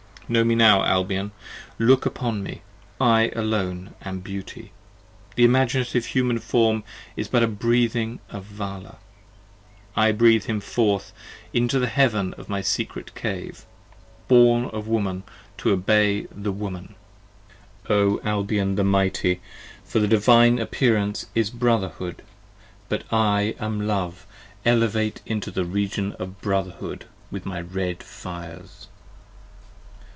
Know me now Albion: look upon me, I alone am Beauty: The Imaginative Human Form is but a breathing of Vala: 50 I breathe him forth into the Heaven from my secret Cave, Born of the Woman to obey the Woman, O Albion the mighty, 52 For the Divine appearance is Brotherhood, but I am Love p. 34 ELEVATE into the Region of Brotherhood with my red fires.